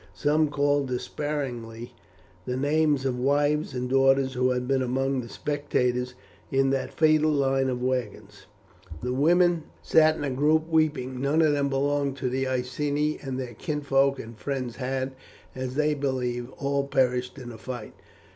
Some called despairingly the names of wives and daughters who had been among the spectators in that fatal line of wagons. The women sat in a group weeping; none of them belonged to the Iceni, and their kinsfolk and friends had, as they believed, all perished in the fight.